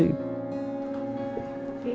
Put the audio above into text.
iyaa menurut kapa sih